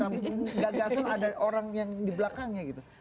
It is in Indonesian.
gagasan ada orang yang di belakangnya gitu